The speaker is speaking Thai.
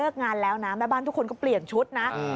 งานแล้วนะแม่บ้านทุกคนก็เปลี่ยนชุดนะ